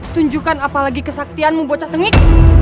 tunjukkan apalagi kesaktianmu bocah tengik